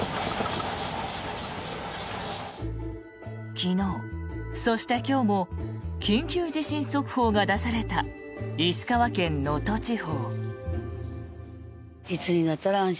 昨日そして今日も緊急地震速報が出された石川県能登地方。